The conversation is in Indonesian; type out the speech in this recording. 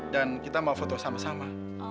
dan kita mau foto sama sama